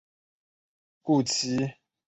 故因其所处之各异形象而众说纷纭。